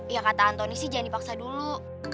ya kata anthony sih jangan dipaksa dulu